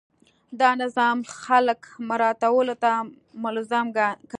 دا نظام خلک مراعاتولو ته ملزم کاندي.